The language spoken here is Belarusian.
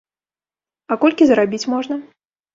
А колькі зарабіць можна?